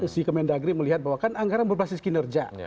si kemendagri melihat bahwa kan anggaran berbasis kinerja